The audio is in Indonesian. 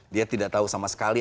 dia tidak tahu sama sekali